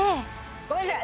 ごめんなさい。